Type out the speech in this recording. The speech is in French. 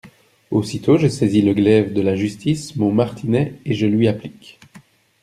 Aussitôt je saisis le glaive de la justice, mon martinet, et je lui applique…